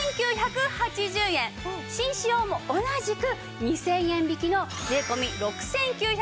紳士用も同じく２０００円引きの税込６９８０円。